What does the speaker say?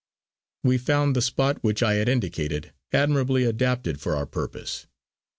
We found the spot which I had indicated admirably adapted for our purpose.